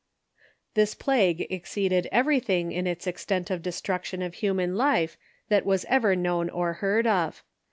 This plague exceeded everything in its extent of destruc tion of human life that was ever known or heard of.